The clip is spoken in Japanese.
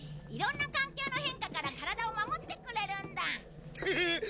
いろんな環境の変化から体を守ってくれるんだ。